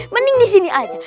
mending disini aja